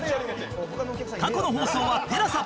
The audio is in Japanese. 過去の放送は ＴＥＬＡＳＡ